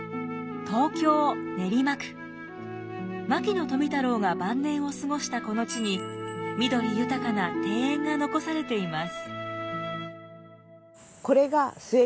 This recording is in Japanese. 牧野富太郎が晩年を過ごしたこの地に緑豊かな庭園が残されています。